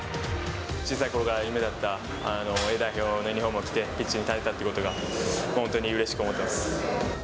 小さいころから夢だったＡ代表のユニホームを着てピッチに立てたってことが、本当にうれしく思ってます。